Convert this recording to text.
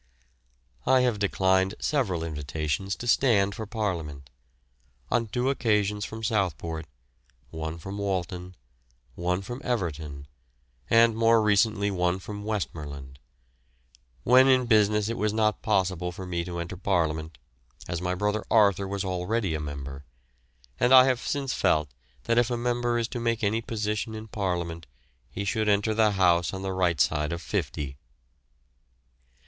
I have declined several invitations to stand for Parliament on two occasions from Southport, one from Walton, one from Everton, and more recently one from Westmorland. When in business it was not possible for me to enter Parliament, as my brother Arthur was already a member; and I have since felt that if a member is to make any position in Parliament he should enter the house on the right side of fifty.